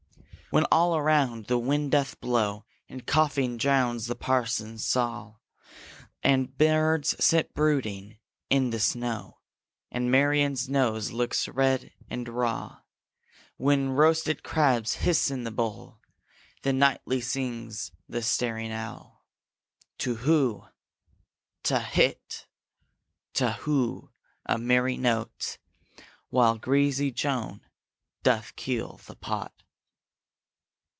When all aloud the wind doth blow, And coughing drowns the parson's saw, And birds sit brooding in the snow, And Marian's nose looks red and raw When roasted crabs hiss in the bowl, Then nightly sings the staring owl, Tu who; Tu whit, tu who: a merry note, While greasy Joan doth keel the pot.